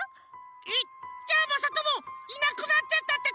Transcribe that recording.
えっじゃあまさともいなくなっちゃったってこと！？